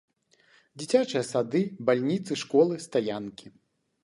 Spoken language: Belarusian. Дзіцячыя сады, бальніцы, школы, стаянкі.